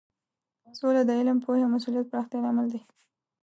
سوله د علم، پوهې او مسولیت پراختیا لامل دی.